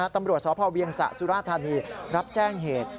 ตำรวจสพเวียงสะสุราธานีรับแจ้งเหตุ